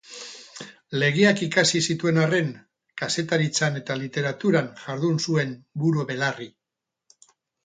Legeak ikasi zituen arren, kazetaritzan eta literaturan jardun zuen buru-belarri.